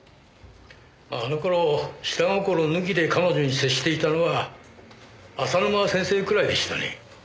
あの頃下心抜きで彼女に接していたのは浅沼先生くらいでしたね。